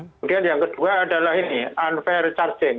kemudian yang kedua adalah ini unfair charging